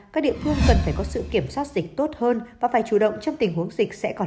các địa phương cần phải có sự kiểm soát dịch tốt hơn và phải chủ động trong tình huống dịch sẽ còn